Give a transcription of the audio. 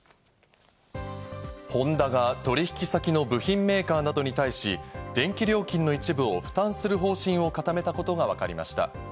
ホンダが取引先の部品メーカーなどに対し、電気料金の一部を負担する方針を固めたことがわかりました。